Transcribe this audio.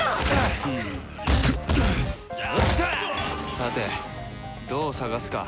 さてどう捜すか？